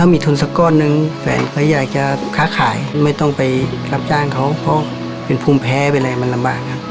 มีทุนสักก้อนนึงแฟนเขาอยากจะค้าขายไม่ต้องไปรับจ้างเขาเพราะเป็นภูมิแพ้ไปเลยมันลำบากครับ